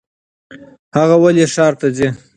هغه ولې ښار ته ځي ؟